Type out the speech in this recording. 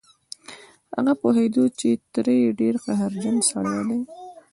هغه پوهېده چې تره يې ډېر قهرجن سړی دی.